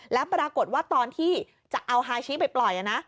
แล้วปรากฏว่าตอนที่จะเอาฮาชิไปปล่อยนะ